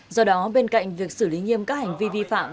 do đó bên cạnh việc xử lý nghiêm các hành vi vi phạm